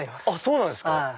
そうなんですか！